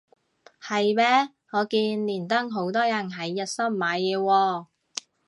係咩我見連登好多人係日森買嘢喎